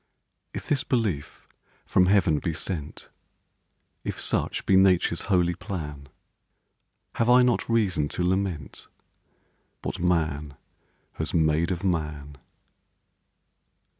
If this belief from heaven be sent, If such be Nature's holy plan, Have I not reason to lament What Man has made of Man?